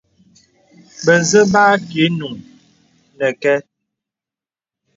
Bə̀zə̄ bə ákə̀ ìnuŋ nəkɛ.